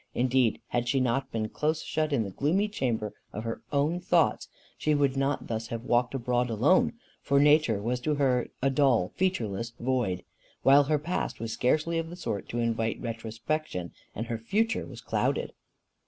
Indeed had she not been close shut in the gloomy chamber of her own thoughts, she would not thus have walked abroad alone; for nature was to her a dull, featureless void; while her past was scarcely of the sort to invite retrospection, and her future was clouded.